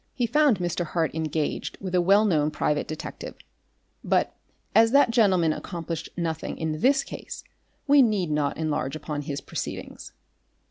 He found Mr. Hart engaged with a well known private detective, but as that gentleman accomplished nothing in this case, we need not enlarge upon his proceedings.